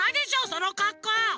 そのかっこう。